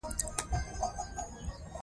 هغې "اِما" ناول ډالۍ کړ.